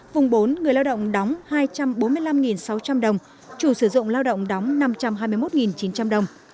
vùng bốn người lao động đóng hai trăm bốn mươi năm sáu trăm linh đồng chủ sử dụng lao động đóng năm trăm hai mươi một chín trăm linh đồng